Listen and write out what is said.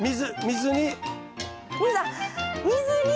水に？